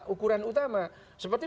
ukuran utama seperti